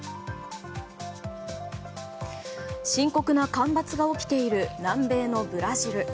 深刻な干ばつが起きている南米のブラジル。